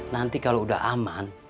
nanti kalau udah aman